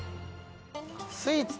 スイーツ。